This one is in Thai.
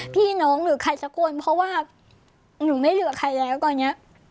พี่น้องหรือใครสักคนเพราะว่าหนูไม่เหลือใครแล้วตอนนี้